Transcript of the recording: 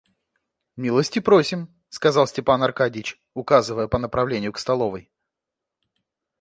Милости просим, — сказал Степан Аркадьич, указывая по направлению к столовой.